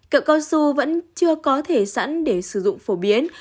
cậu cao su vẫn chưa có thể sẵn để sử dụng phổ biến